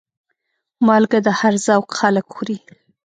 مالګه د هر ذوق خلک خوري.